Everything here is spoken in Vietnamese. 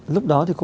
lúc đó thì còn